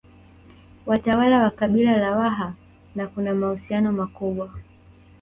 Watawala wa kabila la Waha na kuna mahusiano makubwa